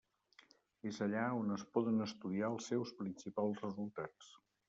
És allà on es poden estudiar els seus principals resultats.